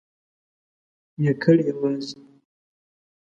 یکړ...یوازی ..